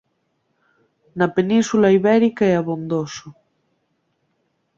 Na Península Ibérica e abondoso.